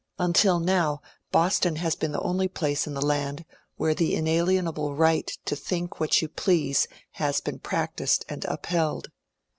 Until now Boston has been the only place in the land where the inalienable right to think what you please has been practised and upheld.